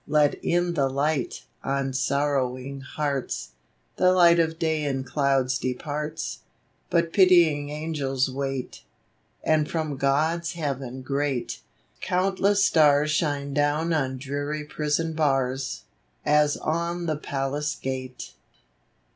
Let in the light on sorrowing hearts ! The light of Hay in clouds departs, Put pitying angels wait ; And from God's Heaven great, countless stars Shine down on dreary prison bars, As on the palace gate!